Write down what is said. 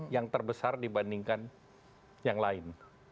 yang terbesar dibandingkan yang lain